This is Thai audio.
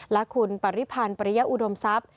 และคุณปริพันธ์ปริยอุดมทรัพย์